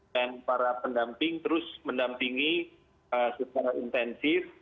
dan para pendamping terus mendampingi secara intensif